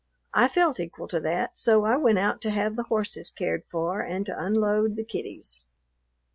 I felt equal to that; so I went out to have the horses cared for and to unload the kiddies.